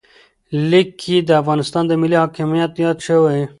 لیک کې د افغانستان ملي حاکمیت یاد شوی و.